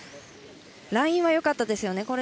ラインは、よかったですね。